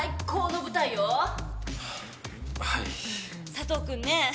佐藤君ね